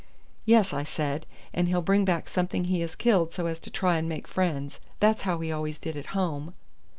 "Yes," I said, "and he'll bring back something he has killed so as to try and make friends. That's how he always did at home."